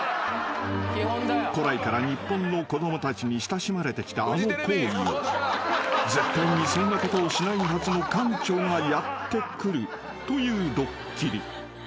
［古来から日本の子供たちに親しまれてきたあの行為を絶対にそんなことをしないはずの館長がやってくるというドッキリ］